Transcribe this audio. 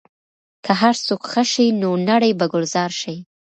که هر څوک ښه شي، نو نړۍ به ګلزار شي.